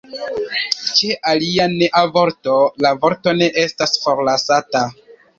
Ĉe alia nea vorto la vorto ne estas forlasata.